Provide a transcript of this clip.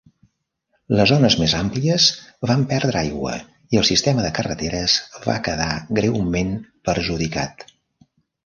Les zones més àmplies van perdre aigua i el sistema de carreteres va quedar greument perjudicat.